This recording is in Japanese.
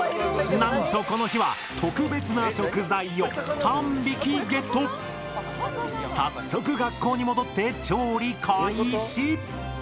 なんとこの日は早速学校に戻って調理開始！